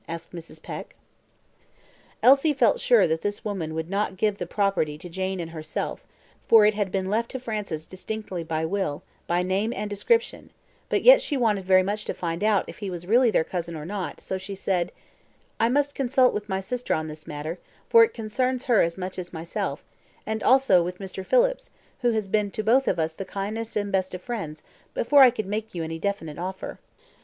asked Mrs. Peck. Elsie felt sure that this woman could not give the property to Jane and herself, for it had been left to Francis distinctly by will, by name and description; but yet she wanted very much to find out if he was really their cousin or not, so she said "I must consult with my sister on this matter, for it concerns her as much as myself, and also with Mr. Phillips, who has been to both of us the kindest and best of friends, before I could make you any definite offer."